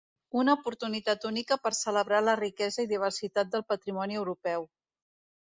Una oportunitat única per celebrar la riquesa i diversitat del patrimoni europeu.